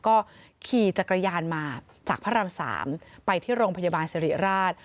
ก็ขี่จักรยานมาจากพระราม๓ไปที่โรงพยาบาลสิริราช